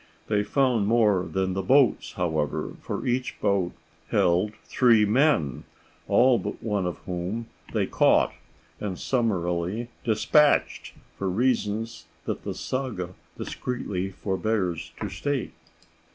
They found more than the boats, however, for each boat held three men, all but one of whom they caught and summarily despatched, for reasons that the saga discreetly forbears to state.